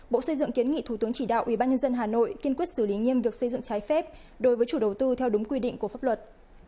bộ xây dựng kiến nghị thủ tướng chỉ đạo ubnd hà nội kiên quyết xử lý nghiêm việc xây dựng trái phép đối với chủ đầu tư theo đúng quy định của pháp luật